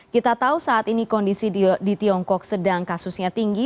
kita tahu saat ini kondisi di tiongkok sedang kasusnya tinggi